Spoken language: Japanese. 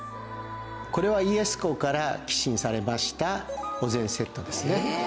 これは家康公から寄進されましたお膳セットですね。